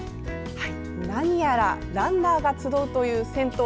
なにやらランナーが集うという銭湯。